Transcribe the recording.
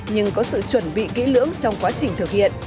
nhưng có sự chuẩn bị kỹ lưỡng trong quá trình thực hiện